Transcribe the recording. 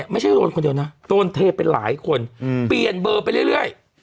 ไม่ใช่โรนคนเดียวนะโรนเทเป็นหลายคนเปลี่ยนเบอร์ไปตั้งได้เรื่อยเรื่อย